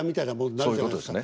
そういうことですね。